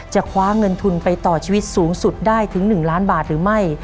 คว้าเงินทุนไปต่อชีวิตสูงสุดได้ถึง๑ล้านบาทหรือไม่